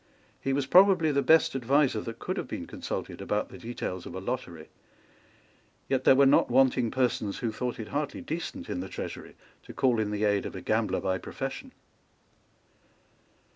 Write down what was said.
He was probably the best adviser that could have been consulted about the details of a lottery. Yet there were not wanting persons who thought it hardly decent in the Treasury to call in the aid of a gambler by profession.